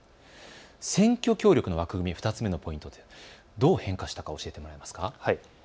選挙協力の枠組みは２つ目のポイントということですが、どう変化したか教えてくれますか。